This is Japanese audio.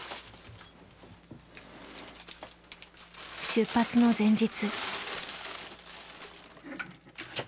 出発の前日。